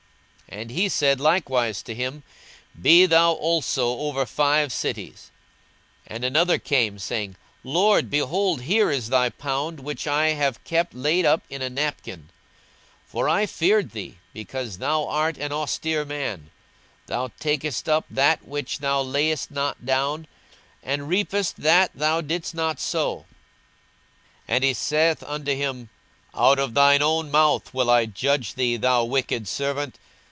42:019:019 And he said likewise to him, Be thou also over five cities. 42:019:020 And another came, saying, Lord, behold, here is thy pound, which I have kept laid up in a napkin: 42:019:021 For I feared thee, because thou art an austere man: thou takest up that thou layedst not down, and reapest that thou didst not sow. 42:019:022 And he saith unto him, Out of thine own mouth will I judge thee, thou wicked servant.